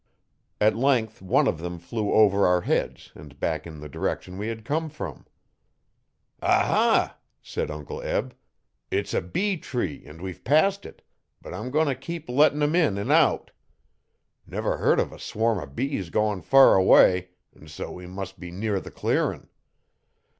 At length one of them flew over our heads and back in the direction we had come from. 'Ah, ha,' said Uncle Eb, 'it's a bee tree an' we've passed it, but I'm goin' t' keep lettin' 'em in an' out. Never heard uv a swarm o' bees goin' fur away an' so we mus' be near the clearin'.'